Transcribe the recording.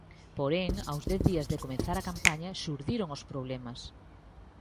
Porén, aos dez días de comezar a campaña, xurdiron os problemas.